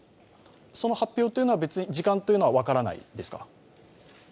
その発表は別に時間というのは分からないですか？